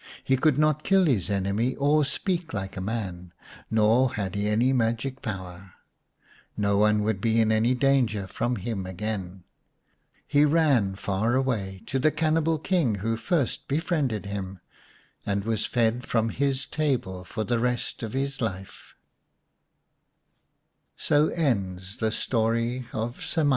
He could not kill his enemy or speak like a man, nor had he any magic power. No one would be in any danger from him again. He ran far away to the cannibal King who first befriended him, and was fed from his table for the r